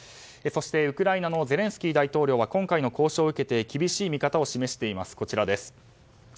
そして、ウクライナのゼレンスキー大統領は今回の交渉を受けて厳しい見方を示しています。